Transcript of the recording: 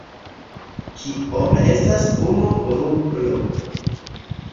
Kiom estas unu rublo?